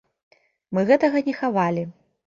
Мы гэтага не хавалі.